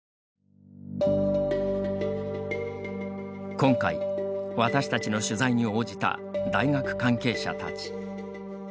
今回、私たちの取材に応じた大学関係者たち。